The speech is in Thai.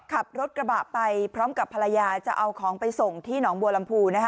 ขับรถกระบะไปพร้อมกับภรรยาจะเอาของไปส่งที่หนองบัวลำพู